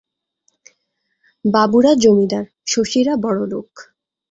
বাবুরা জমিদার, শশীরা বড়লোক।